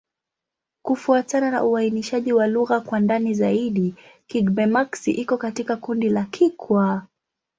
Kufuatana na uainishaji wa lugha kwa ndani zaidi, Kigbe-Maxi iko katika kundi la Kikwa.